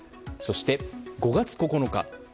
そして５月９日。